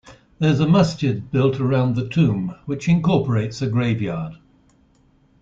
There is a masjid built around the tomb which incorporates a graveyard.